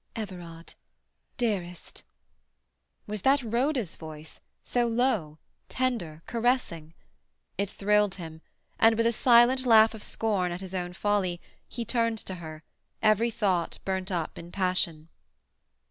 "Everard, dearest—" Was that Rhoda's voice, so low, tender, caressing? It thrilled him, and with a silent laugh of scorn at his own folly, he turned to her, every thought burnt up in passion.